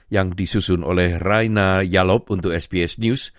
yang disusun oleh raina yalop untuk sbs news